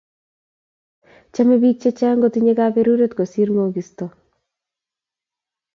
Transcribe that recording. Chomei bik chechang kotinyei kaberuret kosir ngokisto